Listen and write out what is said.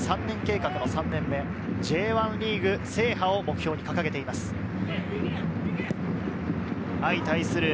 ３年計画の３年目、Ｊ１リーグ制覇を目標に掲げています。